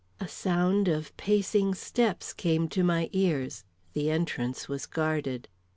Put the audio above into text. A sound of pacing steps came to my ears. The entrance was guarded.